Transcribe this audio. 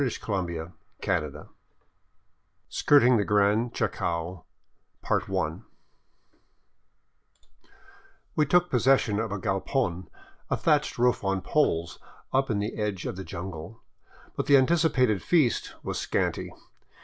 sn CHAPTER XXI SKIRTING THE GRAN CHACO WE took possession of a galpon, a thatched roof on poles, up in the edge of the jungle. But the anticipated feast was scanty.